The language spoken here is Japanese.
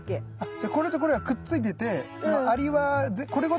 じゃあこれとこれはくっついててそのアリはこれごと持ってくんです？